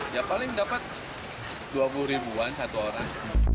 ya paling dapat dua puluh ribuan satu orang